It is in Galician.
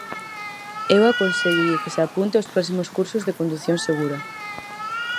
Eu aconséllolle que se apunte aos próximos cursos de condución segura.